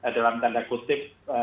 dalam tanda kutip